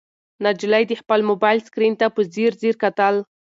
نجلۍ د خپل موبایل سکرین ته په ځیر ځیر کتل.